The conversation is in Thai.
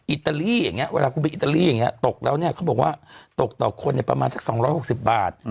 อิตาลีอย่างนี้เวลาคุณไปอิตาลีอย่างนี้ตกแล้วเนี่ยเขาบอกว่าตกต่อคนประมาณสัก๒๖๐บาท